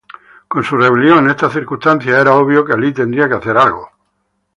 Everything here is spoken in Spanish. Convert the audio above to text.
Con su rebelión en estas circunstancias, era obvio que Alí tendría que hacer algo.